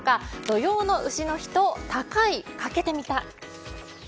土用の丑の日と高い、かけてみた。